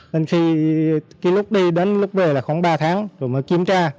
nên khi cái lúc đi đến lúc về là khoảng ba tháng rồi mới kiểm tra